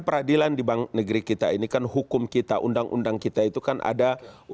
peradilan di negeri kita ini kan hukum kita undang undang kita itu kan ada